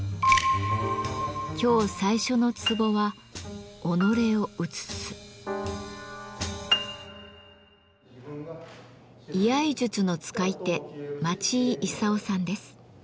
今日最初のツボは居合術の使い手町井勲さんです。